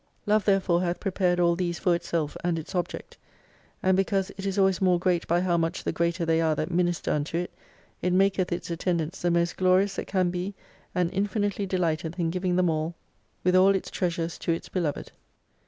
Love therefore hath prepared all these for itself and its object. And because it is always more great by how much the greater they are that minister unto it, it maketh its attendants the most Glorious that can be and infinitely delighteth in giving them all with all its 50 treasures to its beloved.